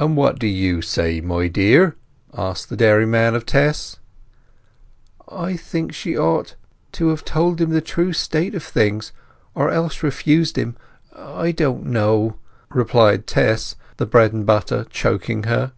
"And what do you say, my dear?" asked the dairyman of Tess. "I think she ought—to have told him the true state of things—or else refused him—I don't know," replied Tess, the bread and butter choking her.